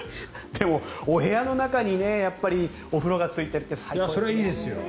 でも、お部屋の中にお風呂がついてるって最高ですね。